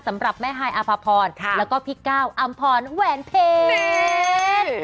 สำหรับแม่ฮายอภพรแล้วก็พี่ก้าวอำพรแหวนเพชร